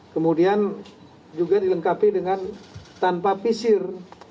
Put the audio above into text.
kemudian juga dilengkapi dengan tanpa pisir